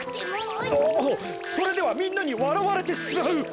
ああそれではみんなにわらわれてしまう。